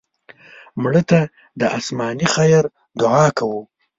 مړه ته د آسماني خیر دعا کوو